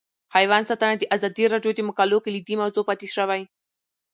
حیوان ساتنه د ازادي راډیو د مقالو کلیدي موضوع پاتې شوی.